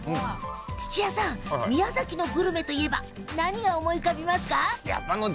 土屋さん宮崎のグルメといえば何が思い浮かびますか？